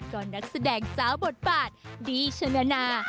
ก็นักแสดงเจ้าบทบาทดีชนา